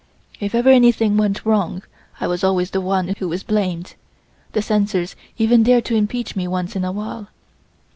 If ever anything went wrong, I was always the one who was blamed. The censors even dare to impeach me once in a while.